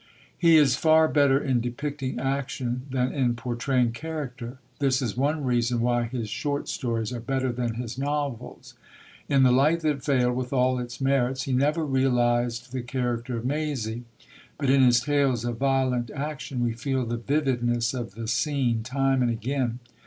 He is far better in depicting action than in portraying character. This is one reason why his short stories are better than his novels. In The Light that Failed, with all its merits, he never realised the character of Maisie; but in his tales of violent action, we feel the vividness of the scene, time and again.